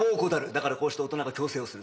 だからこうして大人が強制をする。